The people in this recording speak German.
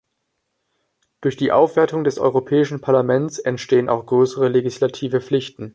Durch die Aufwertung des Europäischen Parlaments entstehen auch größere legislative Pflichten.